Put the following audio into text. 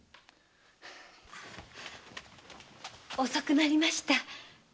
遅くなりました。